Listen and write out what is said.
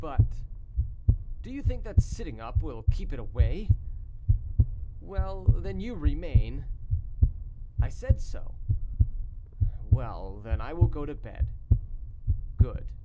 "But " "Do you think that sitting up will keep it away?" "Well, then, you remain." "I said so." "Well, then, I will go to bed." "Good."